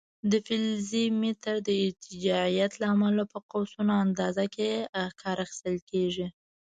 د فلزي متر د ارتجاعیت له امله په قوسونو اندازه کې کار اخیستل کېږي.